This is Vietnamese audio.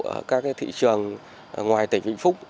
ở các thị trường ngoài tỉnh vịnh phúc